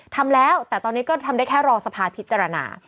ทำแล้วแต่ตอนนี้ก็ทำได้แค่รอสภาพิจารณา